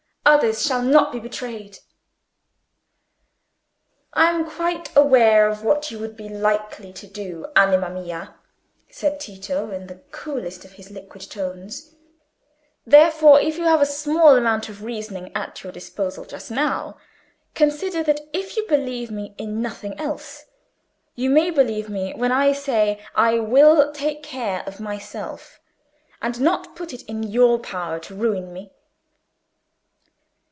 Others shall not be betrayed." "I am quite aware of what you would be likely to do, anima mia," said Tito, in the coolest of his liquid tones; "therefore if you have a small amount of reasoning at your disposal just now, consider that if you believe me in nothing else, you may believe me when I say I will take care of myself, and not put it in your power to ruin me."